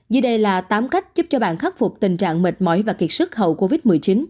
vì đây là tám cách giúp cho bạn khắc phục tình trạng mệt mỏi và kiệt sức hậu covid một mươi chín